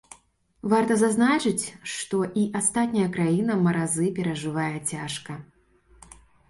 Варта зазначыць, што і астатняя краіна маразы перажывае цяжка.